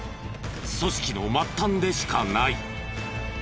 組織の末端でしかない。